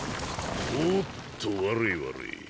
おっと悪い悪い。